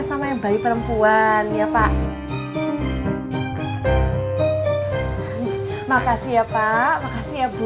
sama badep fair tuan ya pak nah makasih ya pak makasih ya bu